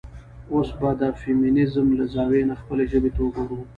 اوس به د د فيمينزم له زاويې نه خپلې ژبې ته وګورو.